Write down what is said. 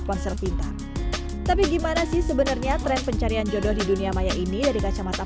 ponsel pintar tapi gimana sih sebenarnya tren pencarian jodoh di dunia maya ini dari kacamata